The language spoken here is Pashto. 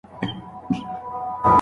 نو لیکوال کېدی سې.